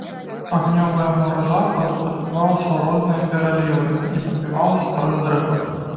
Агнёвае мора захаду адбівалася ў розныя пералівы і прабівалася праз дрэвы.